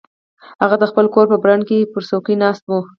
هغه د خپل کور په برنډه کې پر څوکۍ ناست و.